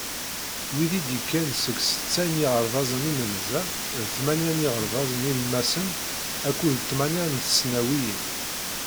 Wid i d-yekkan seg setta n yiɣerbazen imenza d tmanya n yiɣerbazen ilemmasen akked tmanya n tesnawiyin.